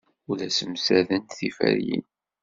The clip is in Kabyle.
Ur la ssemsaden tiferyin.